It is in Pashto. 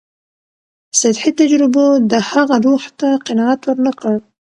سطحي تجربو د هغه روح ته قناعت ورنکړ.